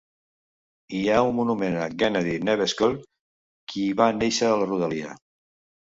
Hi ha un monument a Gennady Nevelskoy, qui va néixer a la rodalia.